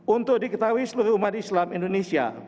untuk diketahui seluruh umat islam indonesia